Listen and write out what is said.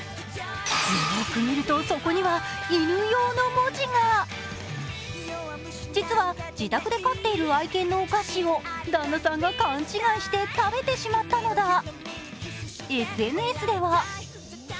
よーく見ると、そこには「犬用」の文字が実は自宅で飼っている愛犬のお菓子を旦那さんが勘違いして食べてしまったのだ。